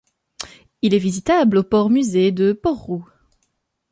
Il est visitable au port-musée de Port-Rhu.